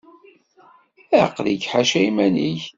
Aql-ik ḥaca iman-ik.